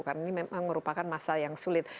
karena ini memang merupakan masa yang sulit